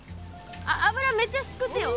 油めっちゃすくってよ。